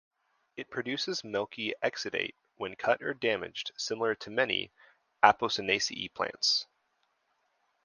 It produces milky exudate when cut or damaged similar to many Apocynaceae plants.